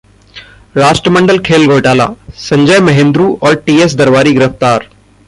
राष्ट्रमंडल खेल घोटाला: संजय महेंद्रू और टीएस दरबारी गिरफ्तार